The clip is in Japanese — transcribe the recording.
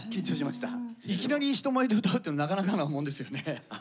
いきなり人前で歌うってなかなかなもんですよね。